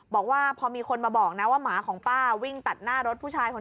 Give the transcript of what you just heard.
บอกว่าพอมีคนมาบอกนะว่าหมาของป้าวิ่งตัดหน้ารถผู้ชายคน